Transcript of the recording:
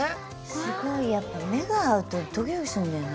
すごいやっぱ目が合うとドキドキすんだよな。